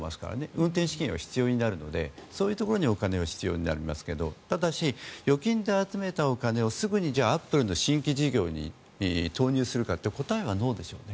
運転資金は必要になるのでそういうところにお金は必要になりますけどただし、預金で集めたお金をすぐにアップルの新規事業に投入するかというと答えはノーでしょうね。